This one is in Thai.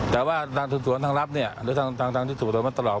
แต่ว่าทางสืบสวนทางลับเนี่ยหรือทางที่ถูกโดยมาตลอด